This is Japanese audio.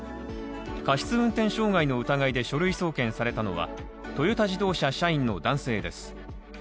過失運転傷害の疑いで書類送検されたのは、トヨタ自動車社員の男性です。